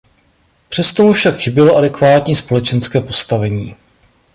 Přesto mu však chybělo adekvátní společenské postavení.